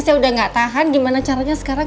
saya udah gak tahan gimana caranya sekarang